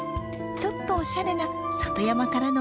ちょっとおしゃれな里山からの贈り物です。